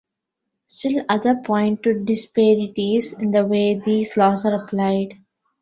Still others point to disparities in the way these laws are applied.